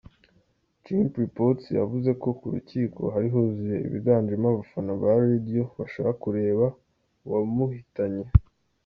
Chimpreports yavzue ko ‘ku rukiko hari huzuye abiganjemo abafana ba Radio bashaka kureba uwamuhitanye’.